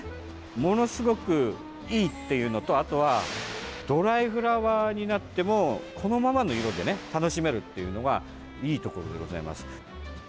ものすごくいいっていうのとあとはドライフラワーになってもこのままの色で楽しめるっていうのがいいところでございます。